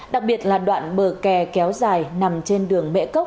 đặc biệt là đoạn bờ kè kéo dài nằm trên đường mễ cốc